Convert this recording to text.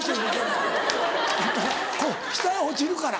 なっこう下へ落ちるから。